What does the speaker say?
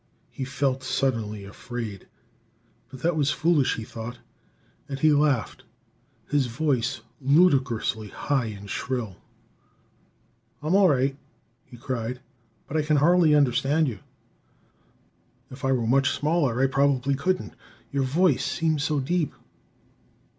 He felt suddenly afraid. But that was foolish, he thought; and he laughed, his voice ludicrously high and shrill. "I'm all right," he cried. "But I can hardly understand you. If I were much smaller, I probably couldn't your voice'd seem so deep.